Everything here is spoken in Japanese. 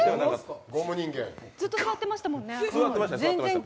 ずっと座ってましたもんね。